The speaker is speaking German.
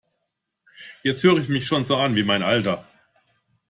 Jetzt höre ich mich schon an wie mein Alter!